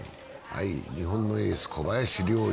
日本のエース・小林陵侑。